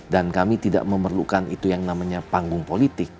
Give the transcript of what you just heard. dan kami tidak memerlukan itu yang namanya panggung politik